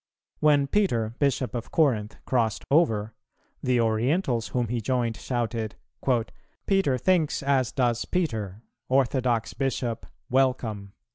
When Peter, Bishop of Corinth, crossed over, the Orientals whom he joined shouted, "Peter thinks as does Peter; orthodox Bishop, welcome."